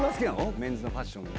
メンズのファッションって。